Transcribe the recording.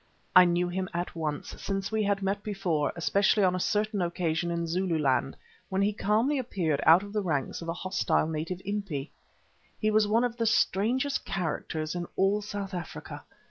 I knew him at once, since we had met before, especially on a certain occasion in Zululand, when he calmly appeared out of the ranks of a hostile native impi. He was one of the strangest characters in all South Africa.